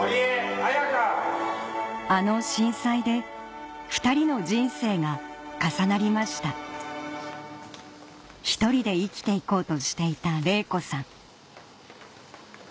あの震災で２人の人生が重なりましたひとりで生きていこうとしていた玲子さん